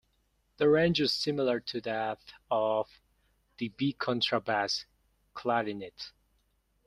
The range is similar to that of the B contrabass clarinet.